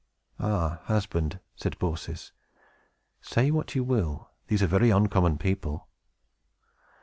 "Ah, husband," said Baucis, "say what you will, these are very uncommon people."